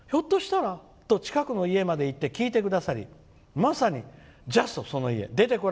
ひょっとしたらと近くの家まで行って聞いてくださりまさにジャストその家。